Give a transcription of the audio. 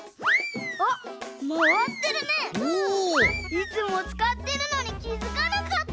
いつもつかってるのにきづかなかった。